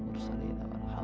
masuk masuk ayo iwan silahkan